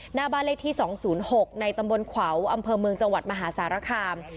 หน้าบ้านเลขที่๒๐๖ในตำบลขวาวอำเภอเมืองจังหวัดมหาสารคาม